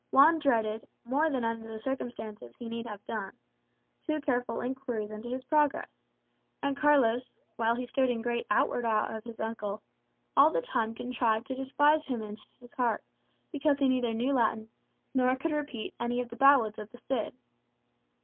Juan dreaded, more than under the circumstances he need have done, too careful inquiries into his progress; and Carlos, while he stood in great outward awe of his uncle, all the time contrived to despise him in his heart, because he neither knew Latin, nor could repeat any of the ballads of the Cid.